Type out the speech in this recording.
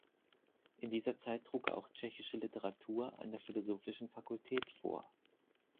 In dieser Zeit trug er auch tschechische Literatur an der philosophischen Fakultät vor.